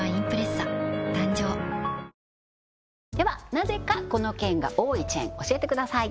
なぜかこの県が多いチェーン教えてください